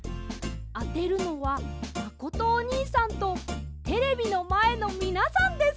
あてるのはまことおにいさんとテレビのまえのみなさんです！